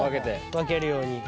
分けるように。